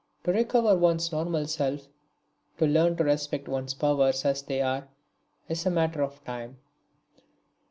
To recover one's normal self, to learn to respect one's powers as they are, is a matter of time.